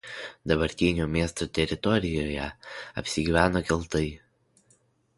Dabartinio miesto teritorijoje apsigyveno keltai.